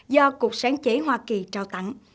do cục sáng chế hoa kỳ trao tặng